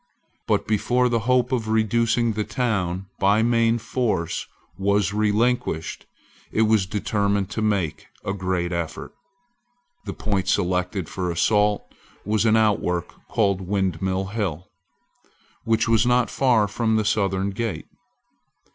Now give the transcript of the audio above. But before the hope of reducing the town by main force was relinquished, it was determined to make a great effort. The point selected for assault was an outwork called Windmill Hill, which was not far from the southern gate.